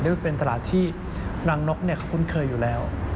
เรียกว่าเป็นตลาดที่รังนกเนี่ยเขาคุ้นเคยอยู่แล้ว